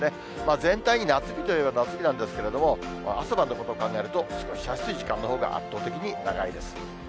全体に夏日といえば夏日なんですけれども、朝晩のことを考えると、過ごしやすい時間のほうが圧倒的に長いです。